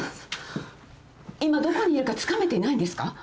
今どこにいるかつかめてないんですか？